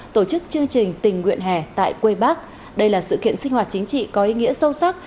tổ chức chương trình tình nguyện hè tại quê bác đây là sự kiện sinh hoạt chính trị có ý nghĩa sâu sắc